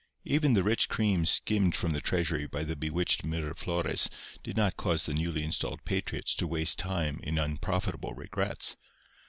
Even the rich cream skimmed from the treasury by the bewitched Miraflores did not cause the newly installed patriots to waste time in unprofitable regrets.